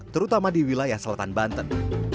terutama di wilayah selatan banten